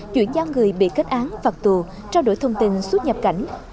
chuyển giao người bị kết án phạt tù trao đổi thông tin xuất nhập cảnh